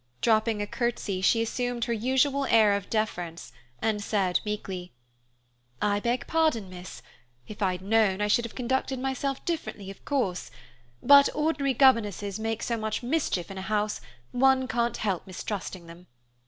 Dropping a curtsy, she assumed her usual air of deference, and said, meekly, "I beg pardon, miss. If I'd known, I should have conducted myself differently, of course, but ordinary governesses make so much mischief in a house, one can't help mistrusting them.